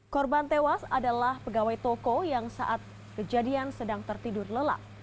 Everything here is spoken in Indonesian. korban tewas adalah pegawai toko yang saat kejadian sedang tertidur lelap